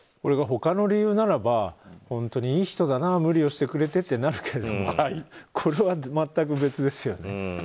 他の理由ならば本当にいい人だな無理をしてくれてとなるけれどもこれは全く別ですよね。